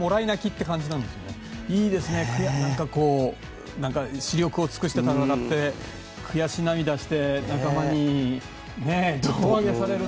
いいですね、なんかこう死力を尽くして戦って悔し涙して仲間に胴上げされるって。